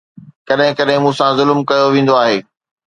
ڪڏهن ڪڏهن مون سان ظلم ڪيو ويندو آهي